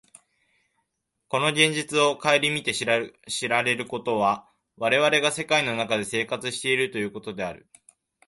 この現実を顧みて知られることは、我々が世界の中で生活しているということである。